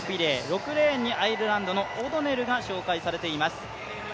６レーンにアイルランドのオドネルが紹介されています。